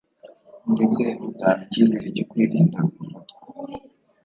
ndetse butanga icyizere cyo kwirinda gufatwa